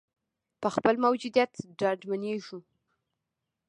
په خپل موجودیت ډاډمنېږو.